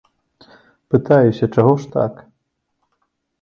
Пытаюся, чаго ж так?